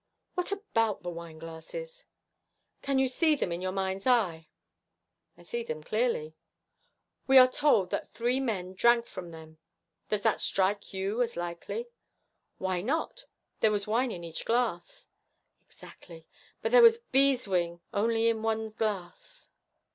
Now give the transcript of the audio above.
'What about the wineglasses?' 'Can you see them in your mind's eye?' 'I see them clearly.' 'We are told that three men drank from them. Does that strike you as likely?' 'Why not? There was wine in each glass.' 'Exactly, but there was beeswing only in one glass.